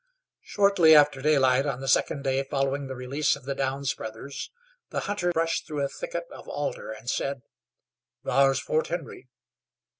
Shortly after daylight on the second day following the release of the Downs brothers the hunter brushed through a thicket of alder and said: "Thar's Fort Henry."